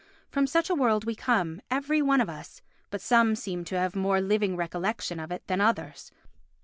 From such a world we come, every one of us, but some seem to have a more living recollection of it than others.